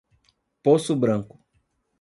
Poço Branco